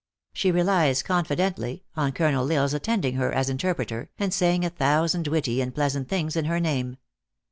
She relies, confidently, on Col. L Isle s attending her as interpreter, and saying a thousand witty and pleas ant things in her name.